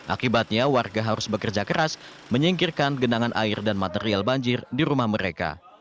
akibatnya warga harus bekerja keras menyingkirkan genangan air dan material banjir di rumah mereka